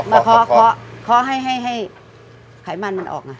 มาขอให้ไขมันออก